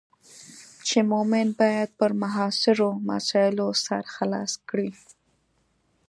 چې مومن باید پر معاصرو مسایلو سر خلاص کړي.